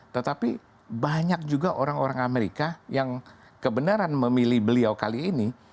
tetapi banyak juga orang orang amerika yang kebenaran memilih beliau kali ini